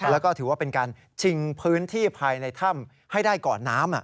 แล้วก็ถือว่าเป็นการชิงพื้นที่ภายในถ้ำให้ได้ก่อนน้ำ